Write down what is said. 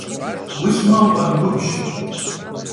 Vulh'me vukhemgubj!